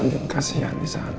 andin kasihan disana